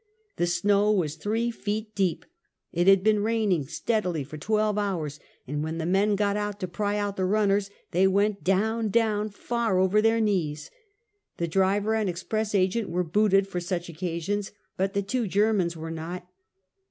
The snow was three feet deep; it had been raining steadily for twelve hours, and when the men got out to pry out the runners, they went down, down, far over their knees. The driver and express agent were booted for such occasions, but the two Germans were not.